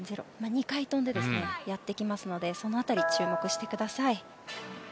２回跳んで、やってきますのでその辺り、注目してください。